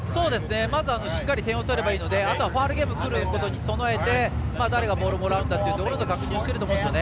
まずしっかり点を取ればいいのであとはファウルゲームに備えて誰がボールをもらうんだということを確認していると思うんですよね。